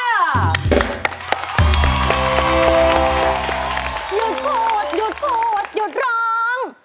ยุดพูดยุดพูดยุดร้อง